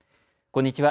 こんにちは。